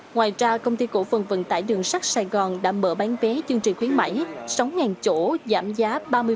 ngoài ra công ty cổ phần vận tải đường sắt sài gòn đã mở bán vé chương trình khuyến mại sáu chỗ giảm giá ba mươi